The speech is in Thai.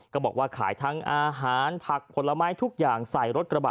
ก็บอกว่าขายทั้งอาหารผักผลไม้ทุกอย่างใส่รถกระบะ